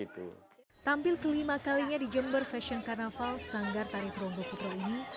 tampil kelima kalinya di jember fashion carnaval sanggar tarif rondo putri ini